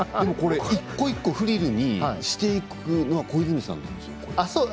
一個一個フリルにしていくのは小泉さんなんですか？